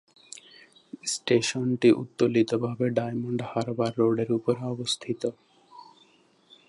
স্টেশনটি উত্তোলিত ভাবে ডায়মন্ড হারবার রোডের উপরে অবস্থিত।